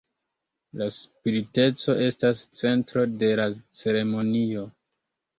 La spiriteco estas centro de la ceremonio.